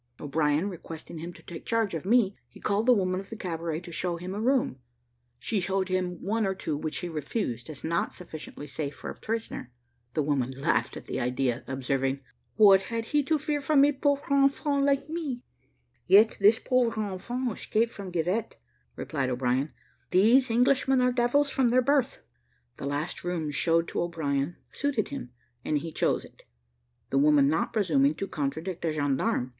O'Brien requesting him to take charge of me, he called the woman of the cabaret to show him a room; she showed him one or two, which he refused, as not sufficiently safe for the prisoner. The woman laughed at the idea, observing, "What had he to fear from a pauvre enfant like me?" "Yet this pauvre enfant escaped from Givet," replied O'Brien. "These Englishmen are devils from their birth." The last room showed to O'Brien suited him, and he chose it the woman not presuming to contradict a gendarme.